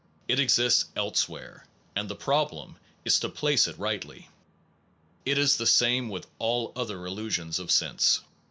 It exists elsewhere; and the problem is to place it rightly. It is the same with all other illusions of sense.